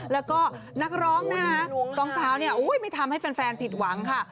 แล้วก็นักร้องนะคะสองสาวเนี่ยไม่ทำให้แฟนผิดหวังค่ะ